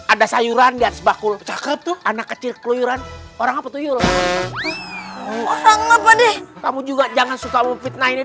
ada sayuran di atas bakul anak kecil keluyuran orang apa tuh kamu juga jangan suka memfitnahin